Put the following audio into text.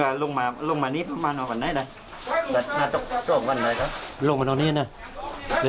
ค่ะน้องสาวอยู่บ้านใกล้บอกว่าเมื่อ